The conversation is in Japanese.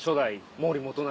毛利元就